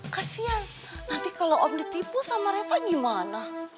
kasian nanti kalau om ditipu sama reva gimana